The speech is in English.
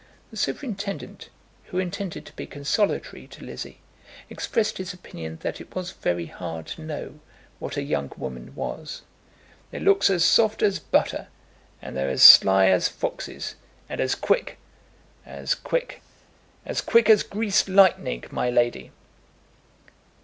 The superintendent, who intended to be consolatory to Lizzie, expressed his opinion that it was very hard to know what a young woman was. "They looks as soft as butter, and they're as sly as foxes, and as quick, as quick as quick as greased lightning, my lady."